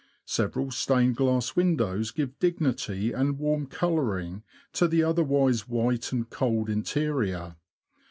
Several stained glass windows give dignity and warm colouring to the otherwise white and cold interior.